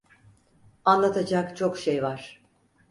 Anlatacak çok şey var.